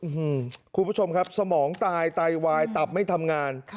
คุณผู้ชมครับสมองตายไตวายตับไม่ทำงาน